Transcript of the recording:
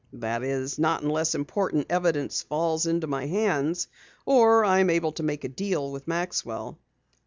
"That is, not unless important evidence falls into my hands, or I am able to make a deal with Maxwell."